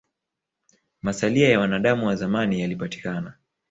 Masalia ya mwanadamu wa zamani yalipatikana